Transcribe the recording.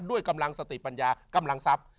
ด้วยกำลังสติปัญญากำลังทรัพย์